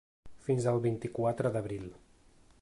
Fins al vint-i-quatre d’abril.